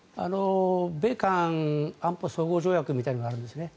米韓安保相互条約みたいなのがあるんですね。